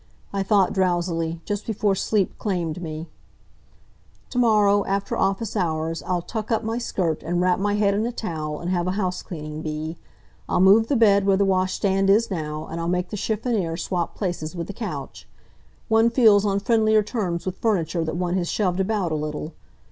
I thought drowsily, just before sleep claimed me: "To morrow, after office hours, I'll tuck up my skirt, and wrap my head in a towel and have a housecleaning bee. I'll move the bed where the wash stand is now, and I'll make the chiffonnier swap places with the couch. One feels on friendlier terms with furniture that one has shoved about a little.